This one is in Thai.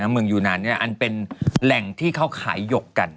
เมืองยูนานอันเป็นแหล่งที่เขาขายหยกกัน